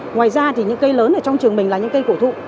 ngoài ra thì những cây lớn ở trong trường mình là những cây cổ thụ